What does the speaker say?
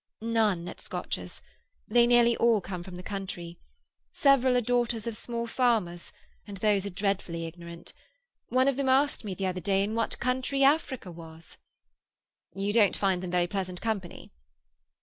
"None, at Scotcher's. They nearly all come from the country. Several are daughters of small farmers and those are dreadfully ignorant. One of them asked me the other day in what country Africa was." "You don't find them very pleasant company?"